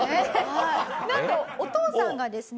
なんとお父さんがですね